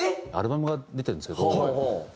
アルバムが出てるんですけど